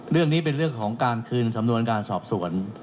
เรื่องนี้เป็นเรื่องของการคืนสำนวนการสอบสวน